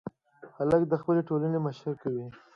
هلک د خپلې ټولنې مشري کوي.